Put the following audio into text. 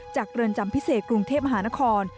เรือนจำพิเศษกรุงเทพมหานคร